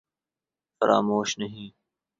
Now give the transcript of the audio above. فراموش نہیں